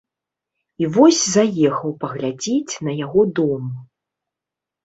І вось заехаў паглядзець на яго дом.